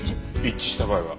一致した場合は？